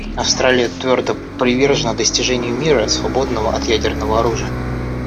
Австралия твердо привержена достижению мира, свободного от ядерного оружия.